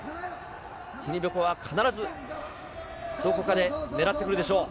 ティニベコワ、必ずどこかで狙ってくるでしょう。